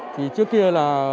thì trước kia là